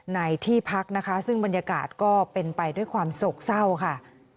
ในที่พักนะคะซึ่งบรรยากาศก็เป็นไปด้วยความโศกเศร้าค่ะ